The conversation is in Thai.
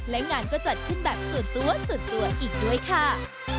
และงานก็จัดขึ้นแบบส่วนตัวส่วนตัวอีกด้วยค่ะ